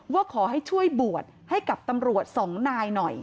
ว่าขอให้ช่วยบวชให้กับตำรวจสองนายหน่อย